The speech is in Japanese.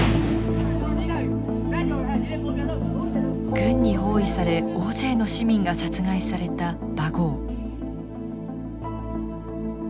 軍に包囲され大勢の市民が殺害されたバゴー。